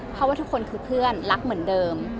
เพราะว่าทุกคนคือเพื่อนรักเหมือนเดิม